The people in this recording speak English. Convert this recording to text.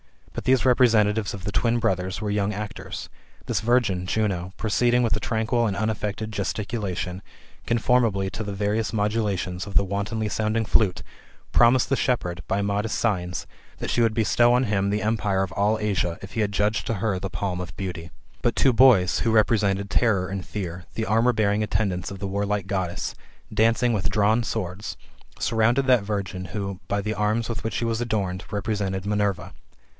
But those representatives of the twin brothers were young actors. This virgin [Juno], proceeding with a tranquil and unaffected gesticulation, conformably to the various modula tions of the wantonly sounding flute, promised the shepherd, by modest signs, that she would bestow on him the empire of all Asia, if he adjuged to her the palm of beauty. But two boys, who represented Terror and Fear, the armour bearing attendants of the warlike Goddess, dancing with drawn swords, surrounded that virgin who, by the arms with which she was adorned, represented Minerva.